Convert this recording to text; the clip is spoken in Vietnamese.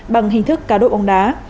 bằng hình thức cá độ bóng đá